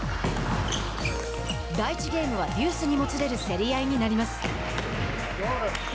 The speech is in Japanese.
第１ゲームはデュースにもつれる競り合いになります。